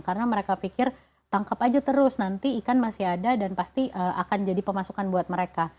karena mereka pikir tangkap aja terus nanti ikan masih ada dan pasti akan jadi pemasukan buat mereka